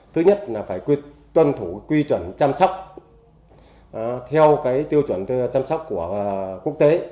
thứ nhất là phải tuân thủ quy chuẩn chăm sóc theo tiêu chuẩn chăm sóc của quốc tế